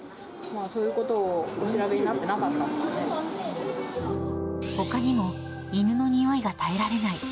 そういうことをお調べになってなほかにも、犬のにおいが耐えられない。